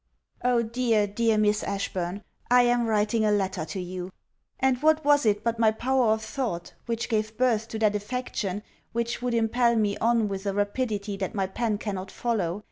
Oh dear, dear Miss Ashburn, I am writing a letter to you! And what was it but my power of thought, which gave birth to that affection which would impel me on with a rapidity that my pen cannot follow?